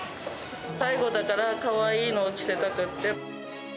最後だから、かわいいのを着せたくって。